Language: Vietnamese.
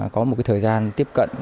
có một thời gian tiếp cận